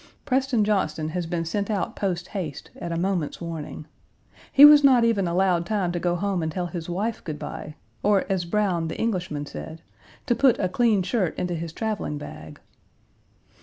Preston Johnston has been sent out post haste at a moment's warning. He was not even allowed time to go home and tell his wife good by or, as Browne, the Englishman, said, "to put a clean shirt into his traveling bag."